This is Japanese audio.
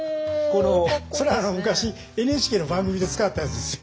それ昔ＮＨＫの番組で使ったやつですよ。